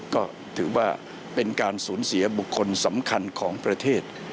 ก็ถือว่าเป็นการสูญเสียบุคคลสำคัญของประเทศ